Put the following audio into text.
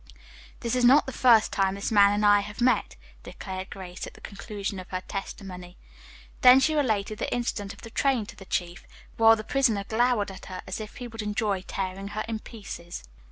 "This is not the first time this man and I have met," declared Grace at the conclusion of her testimony. Then she related the incident of the train to the chief, while the prisoner glowered at her as though he would enjoy tearing her in pieces.